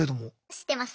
知ってます。